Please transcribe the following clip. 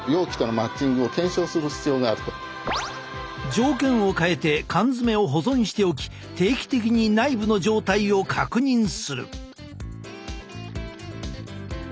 条件を変えて缶詰を保存しておき定期的に内部の状態を確認する。